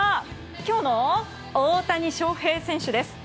今日の大谷翔平選手です。